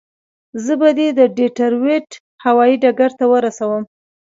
زه به دې د ډیترویت هوایي ډګر ته ورسوم.